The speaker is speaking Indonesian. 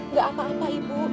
gak apa apa ibu